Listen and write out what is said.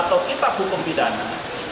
atau kita hukum pidana